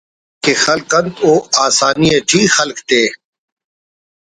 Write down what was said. کہ خلک انت او آسانی ٹی خلک تے